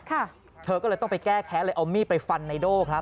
เธอก็เลยต้องไปแก้แค้นเลยเอามีดไปฟันไนโด่ครับ